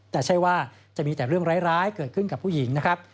แต่ใช่ว่าจะมีแต่เรื่องร้ายเกิดขึ้นกับผู้หญิงนะครับ